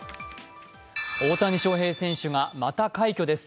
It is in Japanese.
大谷翔平選手がまた快挙です。